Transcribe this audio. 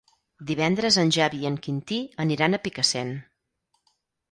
Divendres en Xavi i en Quintí aniran a Picassent.